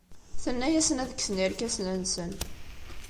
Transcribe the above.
Tenna-asen ad kksen irkasen-nsen.